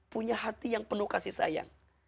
punya hati yang penuh kasih sayang